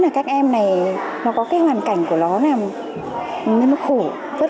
nghĩ là các em này nó có cái hoàn cảnh của nó nè